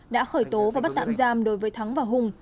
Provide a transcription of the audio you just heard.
đã khởi tố và bắt tạm giam đối với thắng và hùng